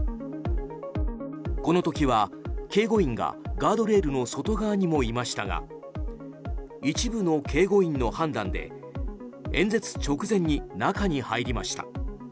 この時は警護員がガードレールの外側にもいましたが一部の警護員の判断で演説直前に中に入りました。